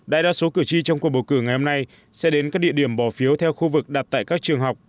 đại đa số cử tri trong cuộc bầu cử ngày hôm nay sẽ đến các địa điểm bỏ phiếu theo khu vực đặt tại các trường học